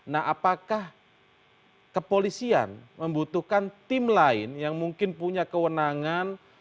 nah apakah kepolisian membutuhkan tim lain yang mungkin punya kewenangan